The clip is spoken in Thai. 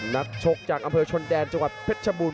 นักชกจากอำเภอชนแดนจังหวัดเพชรชบูร